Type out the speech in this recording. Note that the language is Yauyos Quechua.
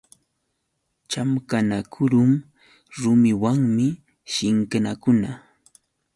Chamqanakurun rumiwanmi shinkakuna.